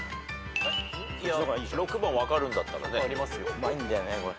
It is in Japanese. うまいんだよねこれ。